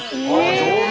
上手！